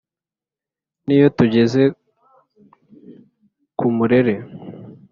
n'iyo tugeze ku murere